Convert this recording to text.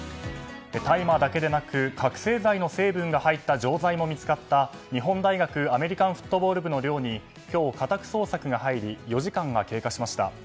大麻だけでなく覚醒剤の成分が入った錠剤も見つかった、日本大学アメリカンフットボール部の寮に今日、家宅捜索が入り４時間が経過しました。